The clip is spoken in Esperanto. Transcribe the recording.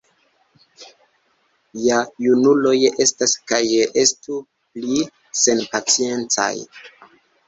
Ja junuloj estas kaj estu pli senpaciencaj.